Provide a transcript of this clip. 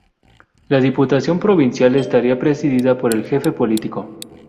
La Diputación Provincial estaría presidida por el Jefe Político.